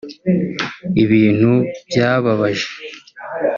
Ibintu byababaje